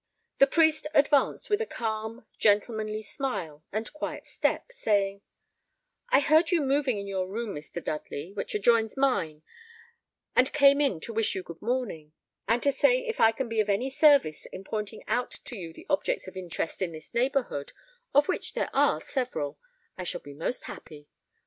The priest advanced with a calm, gentlemanly smile and quiet step, saying, "I heard you moving in your room, Mr. Dudley, which adjoins mine, and came in to wish you good morning, and to say that if I can be of any service in pointing out to you the objects of interest in this neighbourhood, of which there are several, I shall be most happy.